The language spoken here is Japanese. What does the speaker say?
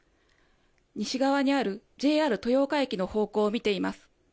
西側にあるＪＲ豊岡駅の方向を見ています。